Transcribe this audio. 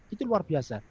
itu luar biasa